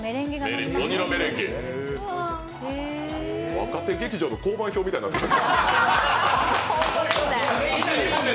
若手劇場の当番表みたいになってる。